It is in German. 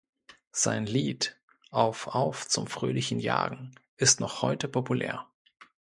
Sein Lied „Auf, auf, zum fröhlichen Jagen“ ist noch heute populär.